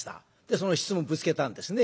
その質問ぶつけたんですね。